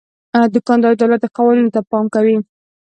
دوکاندار د دولت قوانینو ته پام کوي.